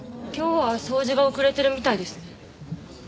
今日は掃除が遅れてるみたいですね。